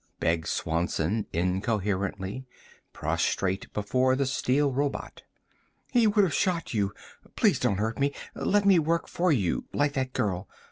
begged Swanson incoherently, prostrate before the steel robot. "He would have shot you please don't hurt me! Let me work for you, like that girl.